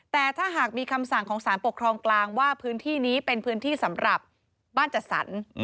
แต่ถ้าหากมีคำสั่งของสารปกครองกลางว่าพื้นที่นี้เป็นพื้นที่สำหรับบ้านจัดสรร